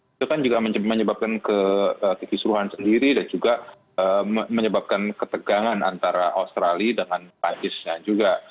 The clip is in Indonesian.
itu kan juga menyebabkan kekisruhan sendiri dan juga menyebabkan ketegangan antara australia dengan perancisnya juga